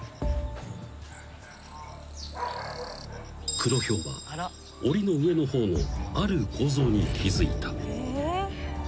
［クロヒョウはおりの上の方のある構造に気付いた］